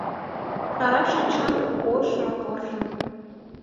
Шара шинчан ош моторжым